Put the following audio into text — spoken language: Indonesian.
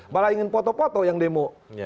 malah ingin foto foto yang demo